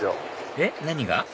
えっ何が？